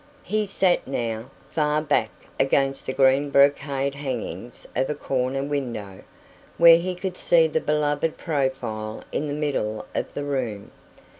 He sat now, far back against the green brocade hangings of a corner window, where he could see the beloved profile in the middle of the room.